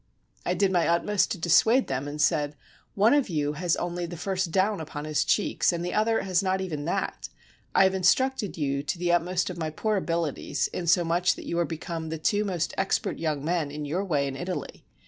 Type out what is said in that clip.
I did my utmost to dissuade them, and said, " One of you has only the first down upon his cheeks and the other has not even that; I have instructed you to the utmost of my poor abilities, inso much that you are become the two most expert young men in your way in Italy.